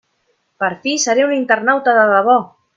Per fi seré un internauta de debò!